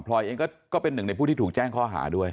เองก็เป็นหนึ่งในผู้ที่ถูกแจ้งข้อหาด้วย